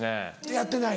やってない？